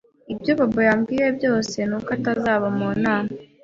Ibyo Bobo yambwiye byose ni uko atazaba mu nama.